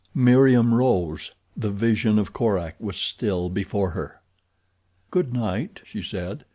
Meriem rose. The vision of Korak was still before her. "Good night," she said.